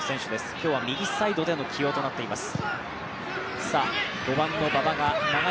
今日は右サイドでの起用になっています。